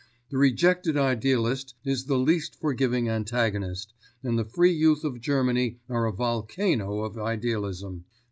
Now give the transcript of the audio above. The rejected idealist is the least forgiving antagonist and the Free Youth of Germany are a volcano of idealism.